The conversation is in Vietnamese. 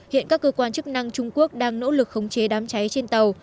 hiện các cơ quan chức năng trung quốc đang nỗ lực khống chế đám cháy trên tàu